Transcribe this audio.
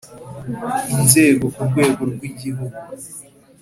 inzego ku rwego rw igihugu